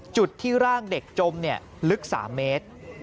จุดที่ร่างเด็กจมลึก๓เมตร